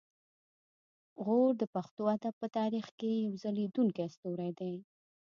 غور د پښتو ادب په تاریخ کې یو ځلیدونکی ستوری دی